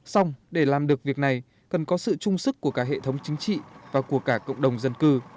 xong để làm được việc này cần có sự trung sức của cả hệ thống chính trị và của cả cộng đồng dân cư